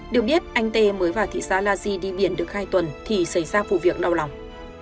được biết anh t mới vào thị xá laji đi biển được hai tuần thì xảy ra vụ việc đau lòng